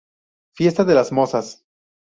Fiesta de las Mozas.